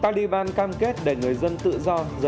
taliban cam kết đẩy người dân tự do rời khỏi đất nước